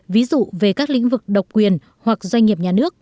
ví dụ về các lĩnh vực độc quyền hoặc doanh nghiệp nhà nước